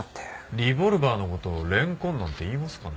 リボルバーの事レンコンなんて言いますかね？